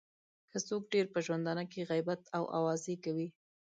که څوک ډېر په ژوندانه کې غیبت او اوازې کوي.